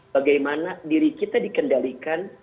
bagaimana diri kita dikendalikan